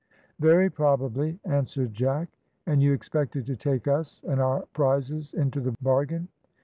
"Very probably," answered Jack, "and you expected to take us and our prizes into the bargain.